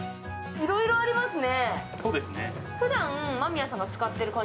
いろいろありますね。